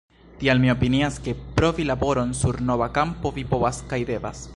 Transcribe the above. Tial mi opinias, ke provi laboron sur nova kampo vi povas kaj devas.